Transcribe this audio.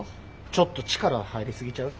ちょっと力入りすぎちゃう？